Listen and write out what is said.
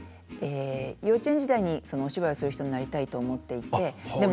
幼稚園時代にお芝居をする人になりたいと思っていて。